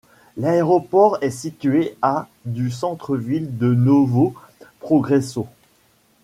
L'aéroport est situé à du centre-ville de Novo Progresso.